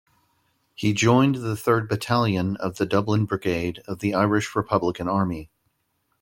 He joined the Third Battalion of the Dublin Brigade of the Irish Republican Army.